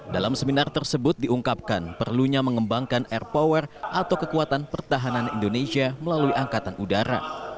dalam seminar tersebut diungkapkan perlunya mengembangkan air power atau kekuatan pertahanan indonesia melalui angkatan udara